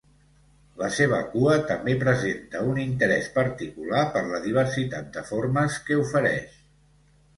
La seva cua també presenta un interès particular per la diversitat de formes que ofereix.